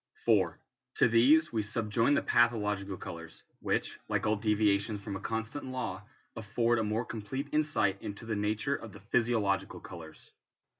4. To these we subjoin the pathological colours, which, like all deviations from a constant law, afford a more complete insight into the nature of the physiological colours.